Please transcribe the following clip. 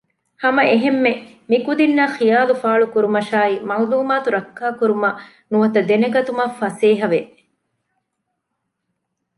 ހަމައެހެންމެ މިކުދިންނަށް ޚިޔާލުފާޅުކުރުމަށާއި މަޢުލޫމާތު ރައްކާކުރުމަށް ނުވަތަ ދެނެގަތުމަށް ފަސޭހަވެ